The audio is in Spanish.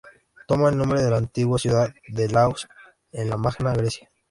Toma el nombre de la antigua ciudad de "Laos", en la Magna Grecia.